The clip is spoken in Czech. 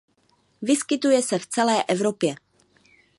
Vyskytuje se v celé Evropě.